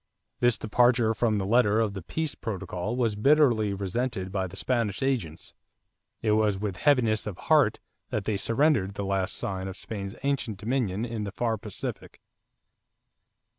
This departure from the letter of the peace protocol was bitterly resented by the Spanish agents. It was with heaviness of heart that they surrendered the last sign of Spain's ancient dominion in the far Pacific.